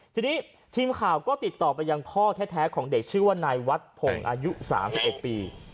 ทีนี้ทีมข่าวก็ติดต่อไปยังพ่อแท้ของเด็กชื่อว่านายวัดพงศ์อายุ๓๑ปี